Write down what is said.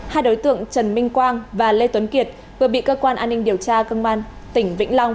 hai đối tượng trần minh quang và lê tuấn kiệt vừa bị cơ quan an ninh điều tra công an tỉnh vĩnh long